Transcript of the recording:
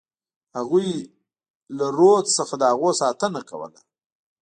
هغوی له رودز څخه د هغو ساتنه کوله.